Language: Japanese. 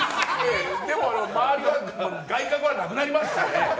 でも周りはなくなりましたね。